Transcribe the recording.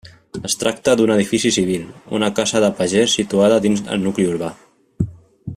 Es tracta d'un edifici civil, una casa de pagès situada dins el nucli urbà.